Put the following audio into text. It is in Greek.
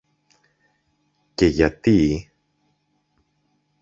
Και γιατί;